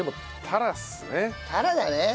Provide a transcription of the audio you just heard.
タラだね。